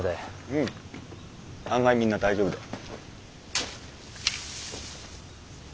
うん案外みんな大丈夫だよ。